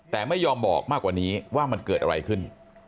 แต่ไม่ยอมบอกมากกว่านี้ว่ามันเกิดอะไรขึ้น